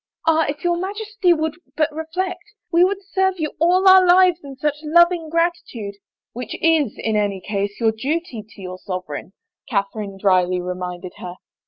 " Ah, if your Majesty would but reflect ! We would serve you all our lives in such loving gratitude —"" Which is, in any case, your duty to your sovereign," Catherine dryly reminded her.